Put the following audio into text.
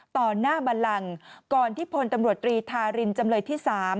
ต่อหน้าบันลังก่อนที่พลตำรวจตรีทารินจำเลยที่๓